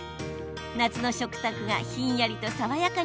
夏の食卓がひんやりと爽やかに香ります。